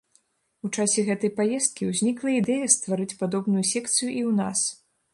У часе гэтай паездкі ўзнікла ідэя стварыць падобную секцыю і ў нас.